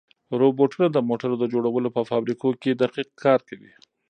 روبوټونه د موټرو د جوړولو په فابریکو کې دقیق کار کوي.